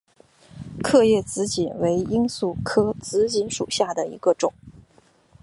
刻叶紫堇为罂粟科紫堇属下的一个种。